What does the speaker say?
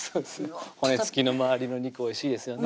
骨付きの周りの肉おいしいですよね